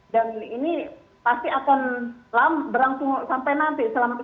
dan ini pasti akan berlangsung sampai nanti